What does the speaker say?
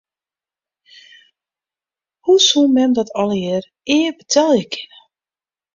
Hoe soe mem dat allegearre ea betelje kinne?